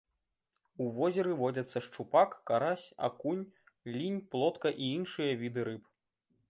У возеры водзяцца шчупак, карась, акунь, лінь, плотка і іншыя віды рыб.